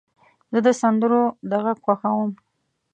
زه د سندرو د غږ خوښوم.